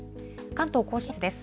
関東甲信越です。